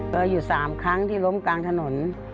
อยู่๓ครั้งที่ล้มกลางถนน